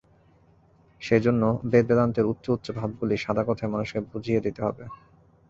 সেই জন্য বেদ-বেদান্তের উচ্চ উচ্চ ভাবগুলি সাদা কথায় মানুষকে বুঝিয়ে দিতে হবে।